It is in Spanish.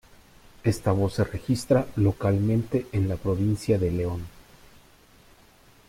Esta voz se registra localmente en la provincia de León.